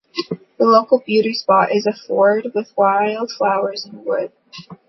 The local beauty spot is a ford with wild flowers and a wood.